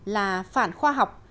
là phản khoa học